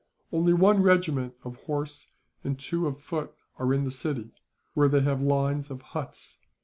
"Only one regiment of horse and two of foot are in the city, where they have lines of huts.